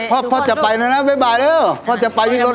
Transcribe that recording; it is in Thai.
อ้าวเต็ดพ่อจะไปแล้วนะบ๊ายบายแล้วพ่อจะไปวิทยุแล้วนะ